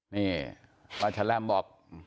นี่ป๊าชะแหลมบอก